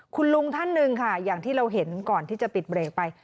คุณลุงท่านหนึ่งค่ะอย่างที่เราเห็นก่อนที่จะปิดเบรกไป